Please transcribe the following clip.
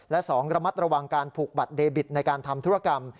และ๒ระมัดระวังการผูกบัตรเดบิตในการทำธุรกรรม